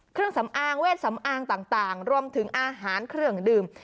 เครื่องสำอางเวทสำอางต่างรวมถึงอาหารเครื่องดื่ม